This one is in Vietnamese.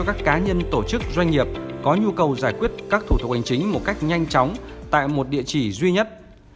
các cá nhân tổ chức doanh nghiệp có nhu cầu giải quyết các thủ tục hành chính một cách nhanh chóng tại một địa chỉ duy nhất